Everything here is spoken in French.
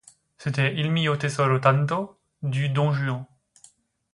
C’était Il mio tesoro tanto, du Don Juan.